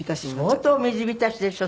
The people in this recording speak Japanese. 相当水浸しでしょ？